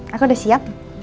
aku udah siap